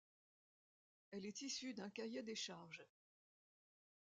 Elle est issue d'un cahier des charges.